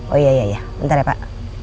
oh iya iya iya sebentar ya pak